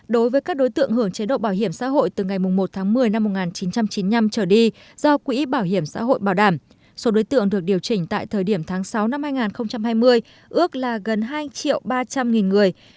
đối với các đối tượng hưởng chế độ bảo hiểm xã hội từ ngày một tháng một mươi năm một nghìn chín trăm chín mươi năm trở đi do quỹ bảo hiểm xã hội bảo đảm số đối tượng được điều chỉnh tại thời điểm tháng sáu năm hai nghìn hai mươi ước là gần hai ba trăm linh người